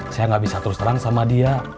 saya gak bisa terus terang sama dia